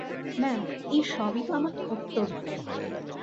Ma'am, এ সবই তো আমার কর্তব্য।